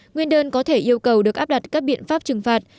nguyên đơn có thể yêu cầu được áp đặt các biện pháp trừng phạt